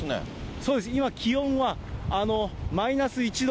そうなんです、今、気温はマイナス１度。